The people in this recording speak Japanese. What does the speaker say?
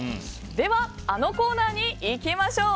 では、あのコーナーにいきましょう。